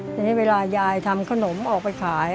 ทีนี้เวลายายทำขนมออกไปขาย